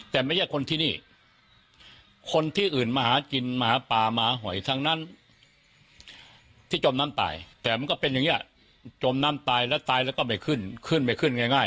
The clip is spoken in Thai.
แต่ไม่ใช่คนที่นี่คนที่อื่นมาหากินมาหาปลามาหอยทั้งนั้นที่จมน้ำตายแต่มันก็เป็นอย่างนี้จมน้ำตายแล้วตายแล้วก็ไม่ขึ้นขึ้นไปขึ้นง่าย